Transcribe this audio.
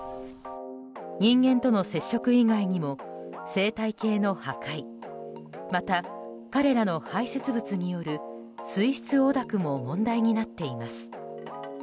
人間との接触以外にも生態系の破壊また、彼らの排泄物による水質汚濁も問題になっています。